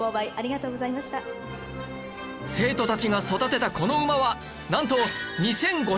生徒たちが育てたこの馬はなんと